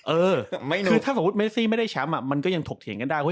เออคือถ้าสมมุติเมซี่ไม่ได้แชมป์มันก็ยังถกเถียงกันได้